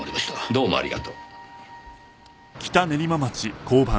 どうもありがとう。